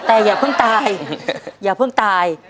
แต่อย่าเพิ่งตายอย่าเพิ่งตาย